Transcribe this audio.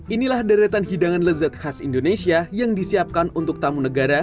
inilah deretan hidangan lezat khas indonesia yang disiapkan untuk tamu negara